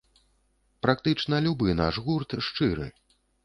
Практычна любы наш гурт шчыры.